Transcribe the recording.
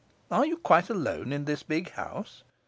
Are you quite alone in this big house?